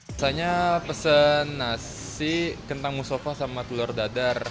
biasanya pesen nasi kentang musofa sama telur dadar